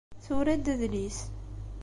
Tura-d adlis.